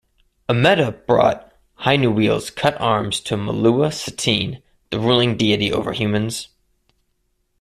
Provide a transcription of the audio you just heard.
Ameta brought Hainuwele's cut arms to "mulua Satene", the ruling deity over humans.